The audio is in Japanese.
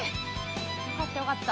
よかった、よかった。